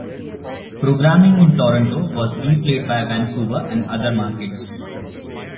Programming in Toronto was replayed in Vancouver and other markets.